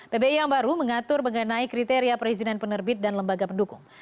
pbi yang baru mengatur mengenai kriteria perizinan penerbit dan lembaga pendukung